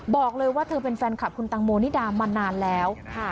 บอกเลยว่าเธอเป็นแฟนคลับคุณตังโมนิดามานานแล้ว